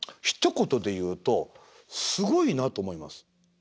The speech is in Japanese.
ひと言で言うとすごいなと思います。